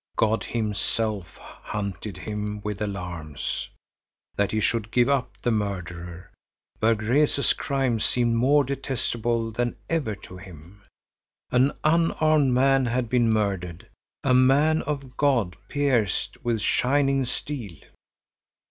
God himself hunted him with alarms, that he should give up the murderer. Berg Rese's crime seemed more detestable than ever to him. An unarmed man had been murdered, a man of God pierced with shining steel.